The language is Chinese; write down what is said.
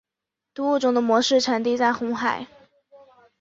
该物种的模式产地在红海。